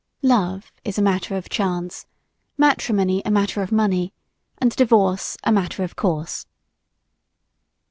Love is a matter of chance; matrimony a matter of money, and divorce a matter of course.